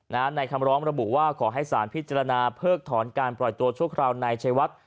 ในคำร้องระบุว่าขอให้สารพิจารณาเพิกถอนการปล่อยตัวชั่วคราวนายชัยวัด